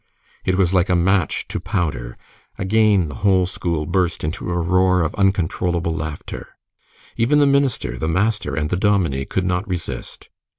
It was like a match to powder. Again the whole school burst into a roar of uncontrollable laughter. Even the minister, the master, and the dominie, could not resist.